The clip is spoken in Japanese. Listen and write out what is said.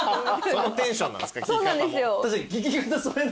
そのテンションなんですか聞き方も。